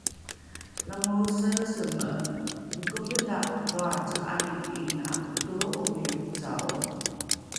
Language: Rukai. Langoeseeseme, mokavola dhoace 'aliki 'ina votolro'oni ocao!